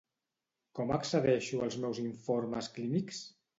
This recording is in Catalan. Com accedeixo als meus informes clínics?